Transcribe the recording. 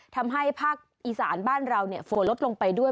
ทำให้ภาคอีสานบ้านเราฝนลดลงไปด้วย